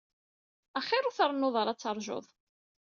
Axir ur trennuḍ ara ad teṛjuḍ.